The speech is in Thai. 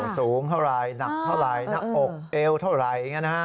สูงเท่าไรหนักเท่าไรหนักอกเอ้วเท่าไรอย่างนี้ฮะ